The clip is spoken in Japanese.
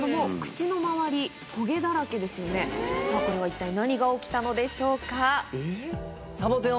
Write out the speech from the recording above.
さぁこれは一体何が起きたのでしょうか？